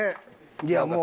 いやもう。